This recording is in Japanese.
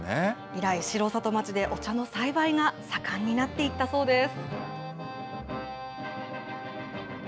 以来、城里町でお茶の栽培が盛んになっていったそうです。